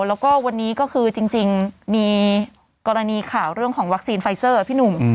แล้วก็วันนี้ก็คือจริงมีกรณีข่าวเรื่องของวัคซีนไฟเซอร์พี่หนุ่ม